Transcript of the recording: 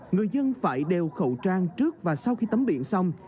người dân phải đeo khẩu trang trước và sau khi tắm biển xong